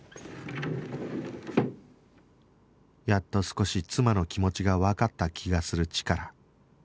やっと少し妻の気持ちがわかった気がするチカラ